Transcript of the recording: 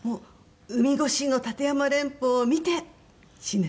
「海越しの立山連峰を見て死ね」。